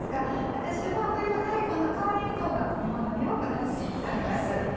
私は冬の大根の代わりに冬瓜を煮ものによく夏に使います。